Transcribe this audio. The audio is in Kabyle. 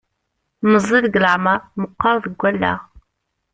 Meẓẓi deg leεmer, meqqer deg allaɣ.